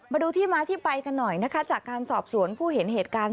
มาดูที่มาที่ไปกันหน่อยนะคะจากการสอบสวนผู้เห็นเหตุการณ์